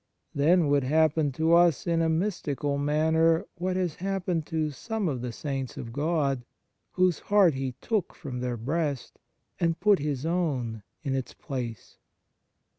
Then would happen to us in a mystical manner what has happened to some of the Saints of God, whose heart He took from their breast, and put His own in its place.